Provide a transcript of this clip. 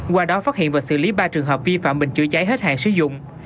qua đó phát hiện và xử lý ba trường hợp vi phạm bình chữa cháy hết hàng sử dụng